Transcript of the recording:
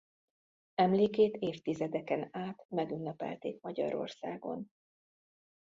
Emlékét évtizedeken át megünnepelték Magyarországon.